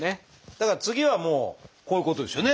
だから次はもうこういうことですよね。